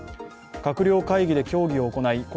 閣僚会議で協議を行い